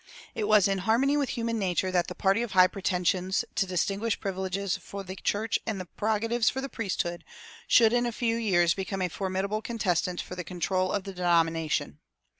It was in harmony with human nature that the party of high pretensions to distinguished privileges for the church and prerogatives for the "priesthood" should in a few years become a formidable contestant for the control of the denomination.